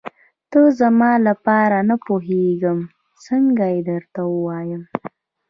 ته زما لپاره نه پوهېږم څنګه یې درته ووايم.